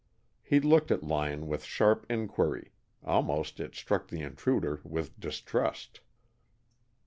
He looked at Lyon with sharp inquiry almost, it struck the intruder, with distrust.